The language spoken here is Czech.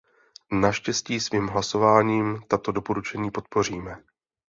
Naštěstí, svým hlasováním tato doporučení podpoříme.